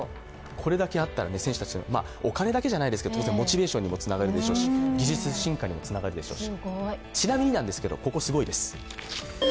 これだけあったら、お金だけじゃないですけど、当然モチベーションにもつながりますし、技術進化にもつながりますし。